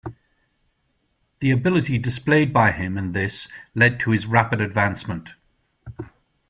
The ability displayed by him in this led to his rapid advancement.